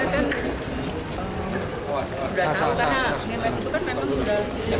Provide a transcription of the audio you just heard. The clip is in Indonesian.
tahu sendiri ya